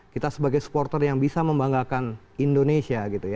kita sebagai supporter yang bisa membanggakan indonesia